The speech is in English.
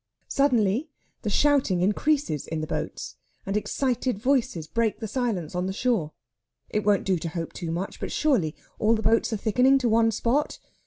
Suddenly the shouting increases in the boats, and excited voices break the silence on the shore. It won't do to hope too much, but surely all the boats are thickening to one spot....